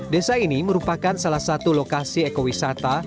desa ini merupakan salah satu lokasi ekowisata